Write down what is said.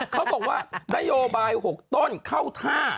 เขาบอกว่านโยบาย๖ต้นเข้าท่า